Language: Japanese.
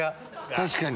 確かに。